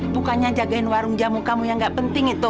bukannya jagain warung jamu kamu yang gak penting itu